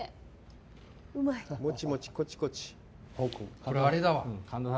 これ、あれだわ。